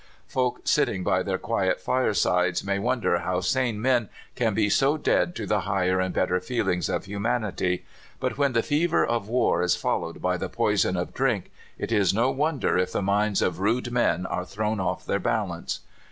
Folk sitting by their quiet firesides may wonder how sane men can be so dead to the higher and better feelings of humanity; but when the fever of war is followed by the poison of drink, it is no wonder if the minds of rude men are thrown off their balance.